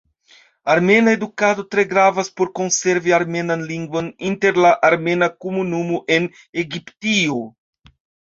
Armena edukado tre gravas por konservi armenan lingvon inter la armena komunumo en Egiptio.